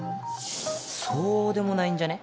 そうでもないんじゃね？